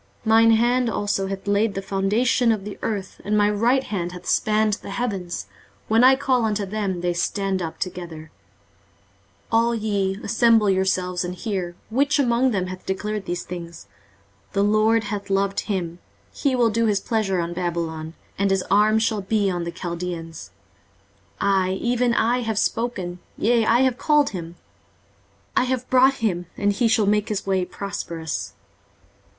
23:048:013 Mine hand also hath laid the foundation of the earth, and my right hand hath spanned the heavens: when I call unto them, they stand up together. 23:048:014 All ye, assemble yourselves, and hear; which among them hath declared these things? The LORD hath loved him: he will do his pleasure on Babylon, and his arm shall be on the Chaldeans. 23:048:015 I, even I, have spoken; yea, I have called him: I have brought him, and he shall make his way prosperous.